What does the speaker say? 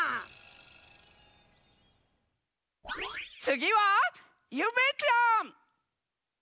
つぎはゆめちゃん！